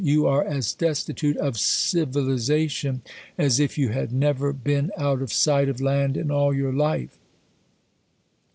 You are as destitute of civiliza tion, as if you had never been out of sight of land in all your life.